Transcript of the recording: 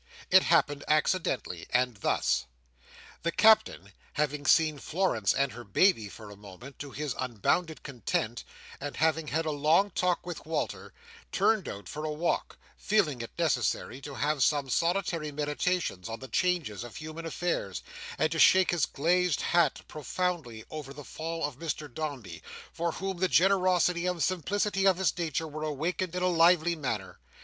It happened accidentally, and thus: The Captain, having seen Florence and her baby for a moment, to his unbounded content, and having had a long talk with Walter, turned out for a walk; feeling it necessary to have some solitary meditation on the changes of human affairs, and to shake his glazed hat profoundly over the fall of Mr Dombey, for whom the generosity and simplicity of his nature were awakened in a lively manner.